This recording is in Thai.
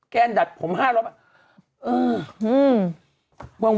แก้นดับผม๕๐๐